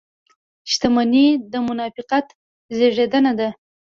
• دښمني د منافقت زېږنده ده.